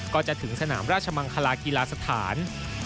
ก็จะถึงสนามราชมังคลากีฬาสถาน